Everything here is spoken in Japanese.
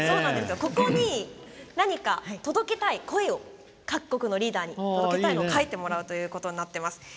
ここに何か届けたい声を各国のリーダーに届けたい声を書いてもらうことになっています。